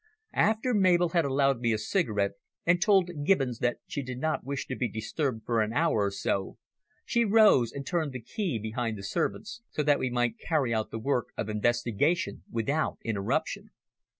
After Mabel had allowed me a cigarette and told Gibbons that she did not wish to be disturbed for an hour or so, she rose and turned the key behind the servants, so that we might carry out the work of investigation without interruption.